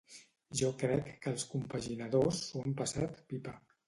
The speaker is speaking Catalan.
Jo crec que els compaginadors s'ho han passat pipa.